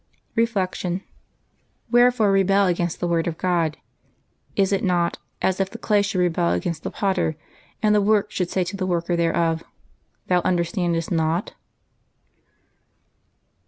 Reflection. — Wherefore rebel against the word of God? Is it not "as if the clay should rebel against the potter, and the w^ork should say to the worker thereof. Thou un derstandest not"